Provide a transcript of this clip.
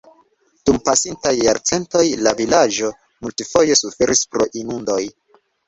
Dum pasintaj jarcentoj la vilaĝo multfoje suferis pro inundoj.